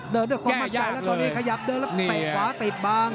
เดินด้วยความมั่นใจแล้วตอนนี้ขยับเดินแล้วเตะขวาติดบาง